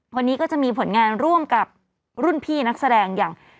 วันนี้ก็จะมีผลงานร่วมกับรุ่นพี่นักแสดงอย่าง